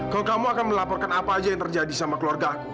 kalau kamu akan melaporkan apa aja yang terjadi sama keluarga